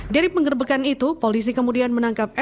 dari penggerbekan itu polisi kemudian menangkap